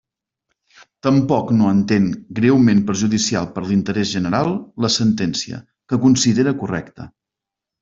Tampoc no entén greument perjudicial per a l'interès general la Sentència, que considera correcta.